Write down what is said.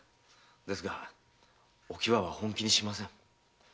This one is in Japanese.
ですがお喜和は本気にしません。